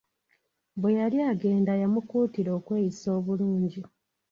Bwe yali agenda yamukuutira okweyisa obulungi.